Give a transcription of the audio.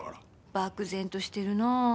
漠然としてるな。